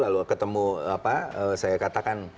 lalu ketemu saya katakan